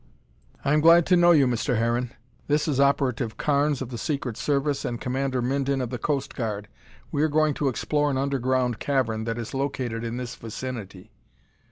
"I'm glad to know you, Mr. Harron. This is Operative Carnes of the Secret Service and Commander Minden of the Coast Guard. We are going to explore an underground cavern that is located in this vicinity."